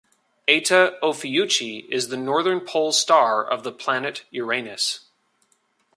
Eta Ophiuchi is the northern pole star of the planet Uranus.